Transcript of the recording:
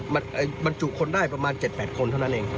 มันบรรจุคนได้ประมาณ๗๘คนเท่านั้นเอง